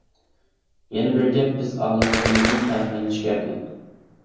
يەنە بىر گەپ بىز ئالىملىرىمىزدىن پەخىرلىنىشكە ھەقلىق.